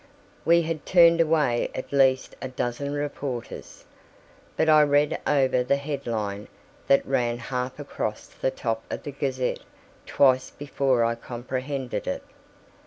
We had turned away at least a dozen reporters. But I read over the head line that ran half way across the top of the Gazette twice before I comprehended it.